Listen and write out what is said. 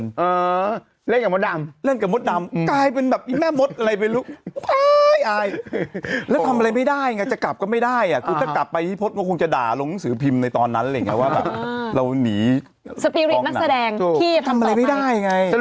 สรุปคือมดเล่นไม่มีเพื่อนแล้วเหงา